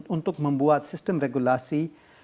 untuk membuat sistem regulasi